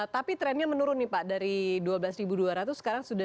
tapi trennya menurun nih pak dari dua belas ribu dua ratus sekarang sudah dua belas ribu